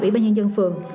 ủy ban nhân dân phường